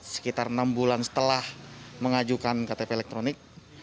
sekitar enam bulan setelah mengajukan ktp elektronik